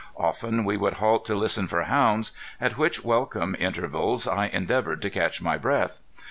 Often we would halt to listen for hounds, at which welcome intervals I endeavored to catch my breath.